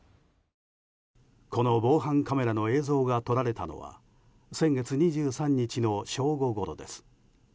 この防犯カメラの映像が撮られたのは先月２３日の正午ごろです。